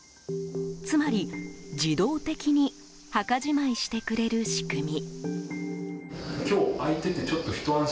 つまり、自動的に墓じまいしてくれる仕組み。